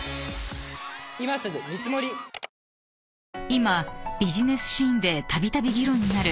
［今ビジネスシーンでたびたび議論になる］